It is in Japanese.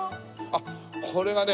あっこれがね